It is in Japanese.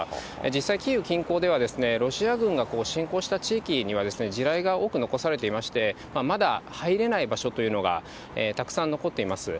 実際、キーウ近郊では、ロシア軍が侵攻した地域には、地雷が多く残されていまして、まだ入れない場所というのが、たくさん残っています。